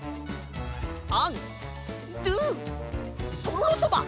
アン・ドゥ・とろろそば！